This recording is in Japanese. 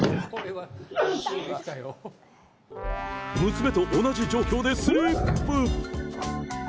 娘と同じ状況でスリップ。